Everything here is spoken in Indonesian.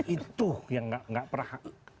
itu yang nggak pernah